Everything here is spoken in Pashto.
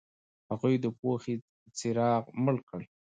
هغوی د پوهې څراغ مړ کړ.